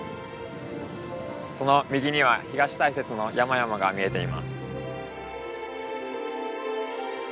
その右には東大雪の山々が見えています。